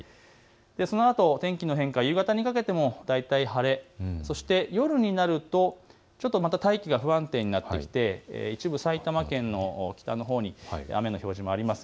そのあとの天気の変化、夕方にかけても大体晴れ、夜になると大気が不安定になってきまして一部、埼玉県の北のほうに雨の表示もあります。